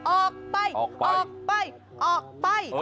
ออกไปออกไปออกไป